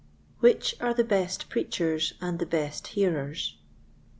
Which are the best Preachers and the best Hearers.